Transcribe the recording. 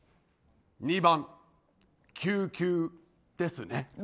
２番、救急ですね。